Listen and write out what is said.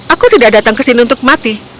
aku tidak datang ke sini untuk mati